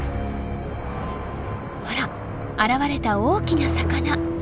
ほら現れた大きな魚。